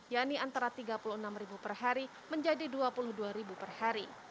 yakni antara tiga puluh enam ribu per hari menjadi dua puluh dua ribu per hari